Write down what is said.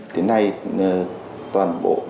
tiến nay toàn bộ sáu